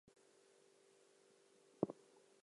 Kelso later became the head coach at Mumford High School.